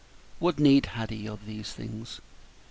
What need had he of these things?